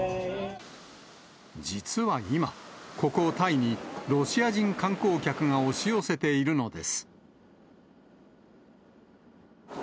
実は今、ここ、タイにロシア人観光客が押し寄せているのです。